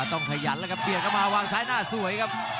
ต้องขยัดเอาก็เบียดเข้ามาวางซ้ายหน้าสวยครับ